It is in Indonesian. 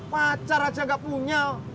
pacar aja nggak punya